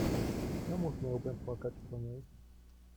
"Czemuż miałbym płakać po niej?"